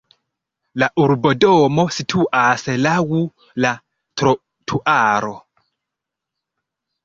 La urbodomo situas laŭ la trotuaro.